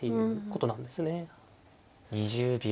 ２０秒。